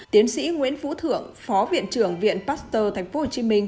tiến sĩ nguyễn phú thượng phó viện trưởng viện pasteur tp hcm